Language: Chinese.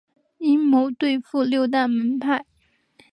阴谋对付六大门派。